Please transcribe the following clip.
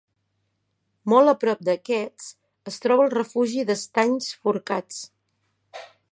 Molt a prop d'aquests es troba el Refugi d'Estanys Forcats.